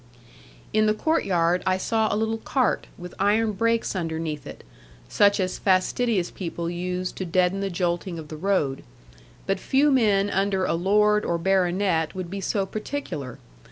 In the courtyard I saw a little cart, with iron brakes underneath it, such as fastidious people use to deaden the jolting of the road; but few men under a lord or baronet would be so particular.